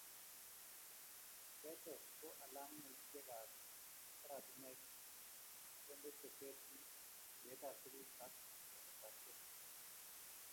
Ketes ko alamisiekab oratinwek kende che telchin ibetap tuguk ak chametabkei